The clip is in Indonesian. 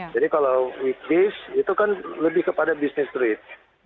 jadi kalau weekdays itu kan lebih kepada business trip